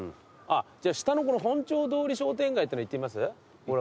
あっじゃあ下のこの本町通り商店街っての行ってみます？